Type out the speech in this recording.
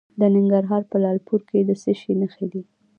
د ننګرهار په لعل پورې کې د څه شي نښې دي؟